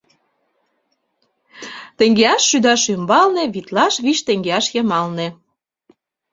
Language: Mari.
Теҥгеаш — шӱдаш ӱмбалне, витлаш — вич теҥгеаш йымалне.